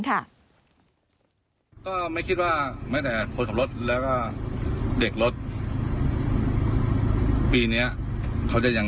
ประโยชน์ให้มีทุกคนมาสร้างผลิตทฤษฐาน